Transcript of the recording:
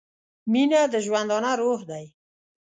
• مینه د ژوندانه روح دی.